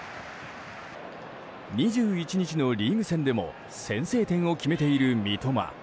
２１日のリーグ戦でも先制点を決めている三笘。